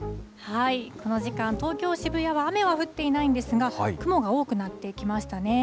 この時間、東京・渋谷は雨は降っていないんですが、雲が多くなってきましたね。